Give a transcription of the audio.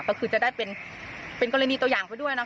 ก็คือจะได้เป็นกรณีตัวอย่างไปด้วยนะ